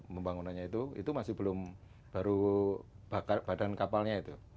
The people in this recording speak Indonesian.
membangunannya itu masih belum baru badan kapalnya itu